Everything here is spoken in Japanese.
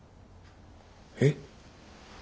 えっ？